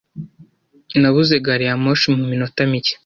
Nabuze gari ya moshi mu minota mike.